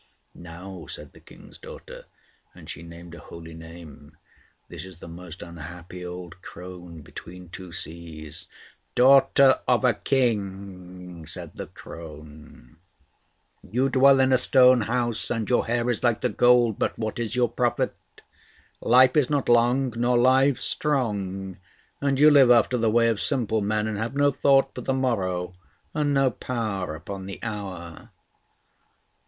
"Now," said the King's daughter, and she named a holy name, "this is the most unhappy old crone between two seas." "Daughter of a King," said the crone, "you dwell in a stone house, and your hair is like the gold: but what is your profit? Life is not long, nor lives strong; and you live after the way of simple men, and have no thought for the morrow and no power upon the hour."